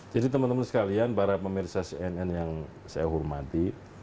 jadi teman teman sekalian para pemirsa cnn yang saya hormati